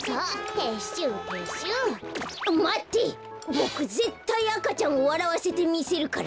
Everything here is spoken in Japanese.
ボクぜったい赤ちゃんをわらわせてみせるから。